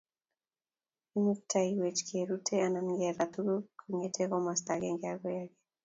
Imukteiyweech kerute anan kelaa tuguuk kong'ete komasta agenge akoi age.